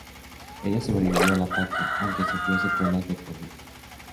Ella sobrevivió al ataque, aunque sufrió secuelas de por vida.